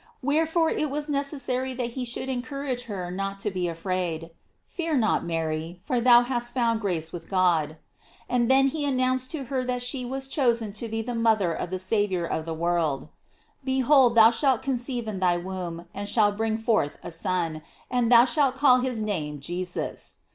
Wherefore it was necessary that he should encourage her not to be afraid: "Fear not, Mary, for thou hast found grace with God."* And then he announced to her that she was chosen to be mother of the Savior of the world : "Behold thou shalt con ceive in thy womb, and shalt bring forth a Son, and thou shalt call his name Jesus."